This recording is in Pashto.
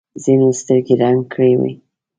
ځینو سترګې رنګ کړې وي.